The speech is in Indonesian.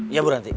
iya bu ranti